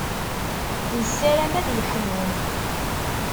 Nessaram ad iḥlu.